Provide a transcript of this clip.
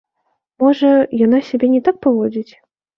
Можа, яна сябе не так паводзіць?